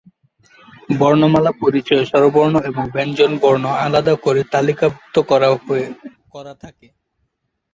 বর্ণমালা পরিচয়ে স্বরবর্ণ এবং ব্যঞ্জনবর্ণ আলাদা করে তালিকাভুক্ত করা থাকে।